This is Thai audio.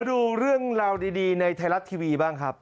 ดูเรื่องราวดีในไทยรัฐทีวีบ้างครับ